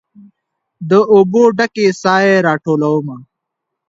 د اوبو ډ کې سائې راټولومه